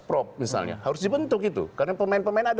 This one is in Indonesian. terima kasih pak jamal